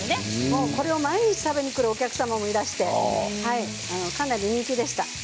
これを毎日食べに来るお客様もいらしてかなり人気でした。